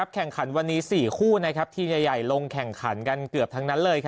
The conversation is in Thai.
แข่งขันวันนี้๔คู่ทีมใหญ่ลงแข่งขันกันเกือบทั้งนั้นเลย